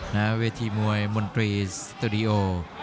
หน้าเวทีมวยมนตรีสตูดิโอ